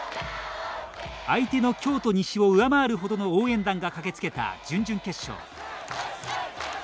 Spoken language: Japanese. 相手の京都西を上回るほどの応援団が駆けつけた準々決勝。